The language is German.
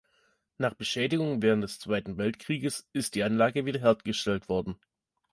Nach Beschädigung während des Zweiten Weltkriegs ist die Anlage wiederhergestellt worden.